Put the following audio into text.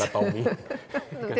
dan tidak mungkin